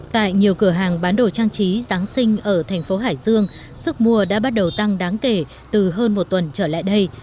tại nhiều cửa hàng bán đồ trang trí giáng sinh ở thành phố hải dương sức mua đã bắt đầu tăng đáng kể từ hơn một tuần trở lại đây